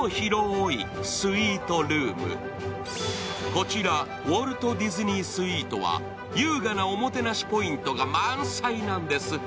こちらウォルト・ディズニー・スイートは優雅なおもてなしポイントが満載なんです。